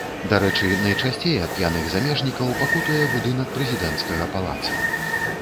Дарэчы, найчасцей ад п'яных замежнікаў пакутуе будынак прэзідэнцкага палаца.